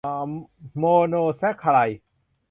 โมโนแซ็กคาไรด์